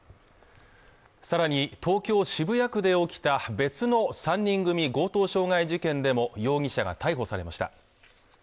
さらに東京・渋谷区で起きた別の３人組強盗傷害事件でも容疑者が逮捕されました